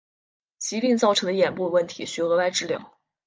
疾病造成的眼部问题需额外治疗。